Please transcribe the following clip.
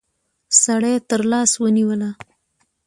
سړي تر لاس ونيوله.